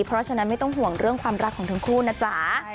เพราะฉะนั้นไม่ต้องห่วงเรื่องความรักของทั้งคู่นะจ๊ะ